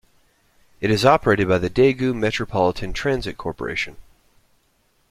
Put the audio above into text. It is operated by the Daegu Metropolitan Transit Corporation.